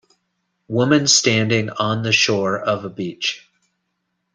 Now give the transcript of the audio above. Woman standing on the shore of a beach.